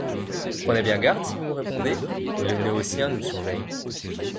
Prenez bien garde si vous me répondez : les Noétiens nous surveillent.